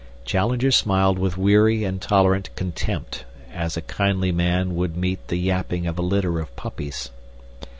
Challenger smiled with weary and tolerant contempt, as a kindly man would meet the yapping of a litter of puppies.